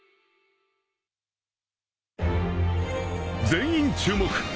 ［全員注目！